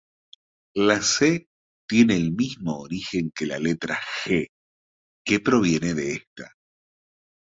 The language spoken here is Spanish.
La C tiene el mismo origen que la letra G, que proviene de esta.